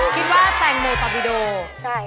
คิดว่าแตงโมปาบิโดใช่